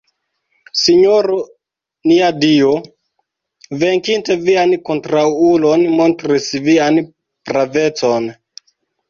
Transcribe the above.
Sinjoro nia Dio, venkinte vian kontraŭulon, montris vian pravecon.